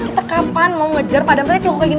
kita kapan mau ngejar padam reklung kayak gini